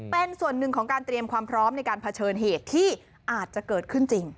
เป็นส่วนหนึ่งของการเตรียมความพร้อมในการเผชิญเหตุที่อาจจะเกิดขึ้นจริง